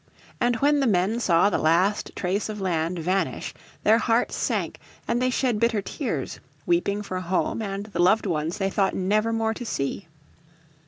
And when the men saw the last trace of land vanish their hearts sank, and they shed bitter tears, weeping for home and the loved ones they thought never more to see.